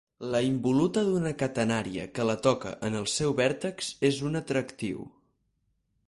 La involuta d'una catenària que la toca en el seu vèrtex és una tractriu.